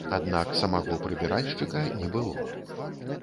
Аднак самога прыбіральшчыка не было.